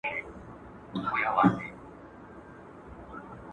زه به سبا لوبه کوم!!